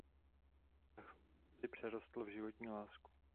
Vztah brzy přerostl v životní lásku.